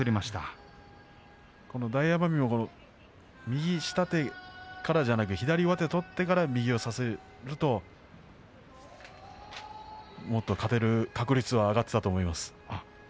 大奄美、左上手を取ってから右を差せるともっと勝てる確率は上がっていたと思います。